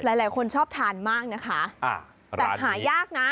หลายคนชอบทานมากนะคะแต่หายากนะ